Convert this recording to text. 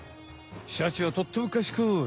シャチはとってもかしこい！